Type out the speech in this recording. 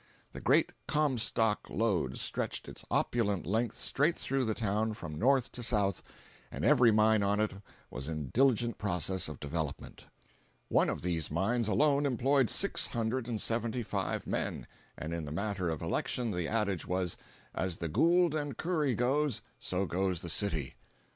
The great "Comstock lode" stretched its opulent length straight through the town from north to south, and every mine on it was in diligent process of development. One of these mines alone employed six hundred and seventy five men, and in the matter of elections the adage was, "as the 'Gould and Curry' goes, so goes the city."